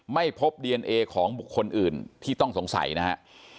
ไม่พบดีเอนเอของบุคคลอื่นที่ต้องสงสัยนะฮะ